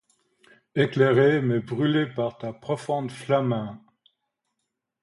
Éclairé, mais brûlé par ta profonde flamme